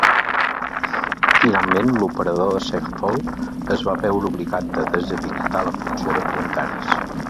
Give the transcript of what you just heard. Finalment, l'operador de Segfault es va veure obligat a deshabilitar la funció de comentaris.